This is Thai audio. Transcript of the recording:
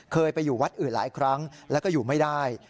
เคยไปอยู่วัดอื่นหลายครั้งแล้วก็อยู่ไม่ได้